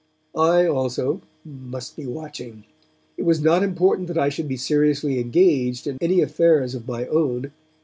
I, also, must be watching; it was not important that I should be seriously engaged in any affairs of my own.